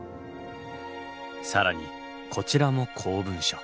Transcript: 更にこちらも公文書。